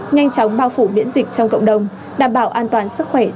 nhanh chóng bao phủ miễn dịch trong cộng đồng đảm bảo an toàn sức khỏe cho người dân